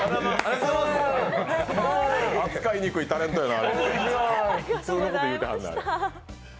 扱いにくいタレントやな。